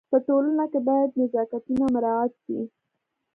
په ټولنه کي باید نزاکتونه مراعت سي.